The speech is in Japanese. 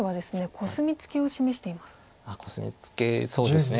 コスミツケそうですね。